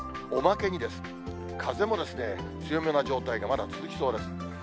おまけにですね、風も強めな状態がまだ続きそうです。